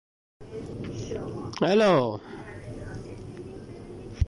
Bernardo Gui also figures in the novel, as do Dolcino's papers.